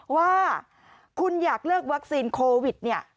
ว่าคุณอยากเลือกวัคซีนโควิดเนี่ย